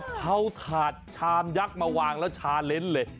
เอาถาดชามยักษ์มาวางแล้วชาเล้นเลย